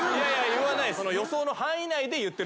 言わない。